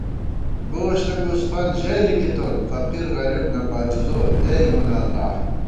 گوشت گوسفند ژئی لِکِتون ، فقیرغریب نہ پرُوزوت اے مونہ اللہ